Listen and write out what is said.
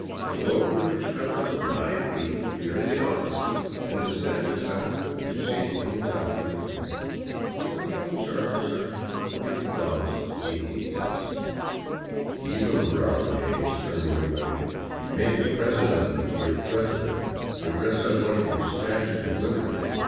The brokerage covers my fee here in the office, and the stamp is that which you see on the document here. The total charges are $42.88." " Keep 'em," growled Hays, turning away. " Make a present of them to your president, or dress up one of your statues of Liberty."